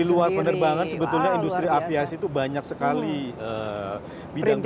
di luar penerbangan sebetulnya industri aviasi itu banyak sekali bidang bidang